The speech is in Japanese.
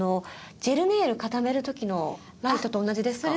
ジェルネイル固める時のライトと同じですか？